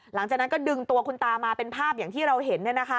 หลังจากนั้นก็ดึงตัวคุณตามาเป็นภาพอย่างที่เราเห็น